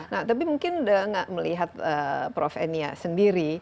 nah tapi mungkin udah gak melihat prof enia sendiri